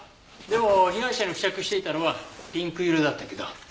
でも被害者に付着していたのはピンク色だったけど。